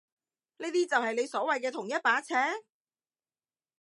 呢啲就係你所謂嘅同一把尺？